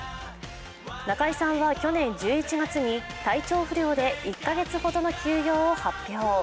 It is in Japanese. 中居さんは去年１１月に体調不良で１か月ほどの休養を発表。